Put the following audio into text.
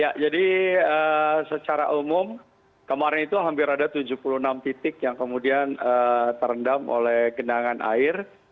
ya jadi secara umum kemarin itu hampir ada tujuh puluh enam titik yang kemudian terendam oleh genangan air